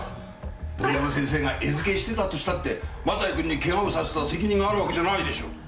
森山先生が餌付けしてたとしたって雅也君にケガをさせた責任があるわけじゃないでしょ。